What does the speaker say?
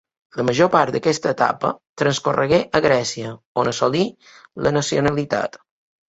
La major part d'aquesta etapa transcorregué a Grècia, on assolí la nacionalitat.